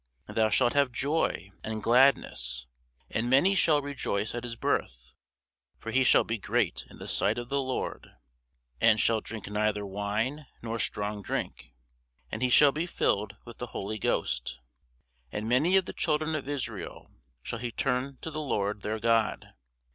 And thou shalt have joy and gladness; and many shall rejoice at his birth. For he shall be great in the sight of the Lord, and shall drink neither wine nor strong drink; and he shall be filled with the Holy Ghost. And many of the children of Israel shall he turn to the Lord their God.